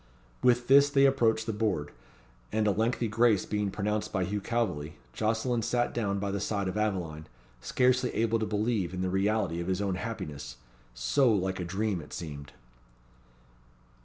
With this they approached the board; and, a lengthy grace being pronounced by Hugh Calveley, Jocelyn sat down by the side of Aveline, scarcely able to believe in the reality of his own happiness so like a dream it seemed.